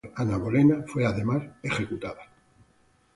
Ambos matrimonios fueron anulados; Ana Bolena fue, además, ejecutada.